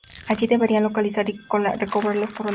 Allí deberán localizar y recobrar las coronas robadas.